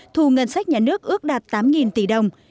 thu ngân sách nhà nước ước đạt tám tỷ đồng